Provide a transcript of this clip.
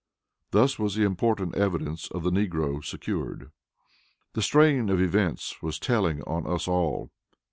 Thus was the important evidence of the negro secured. The strain of events was telling on us all.